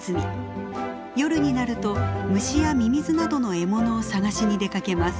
夜になると虫やミミズなどの獲物を探しに出かけます。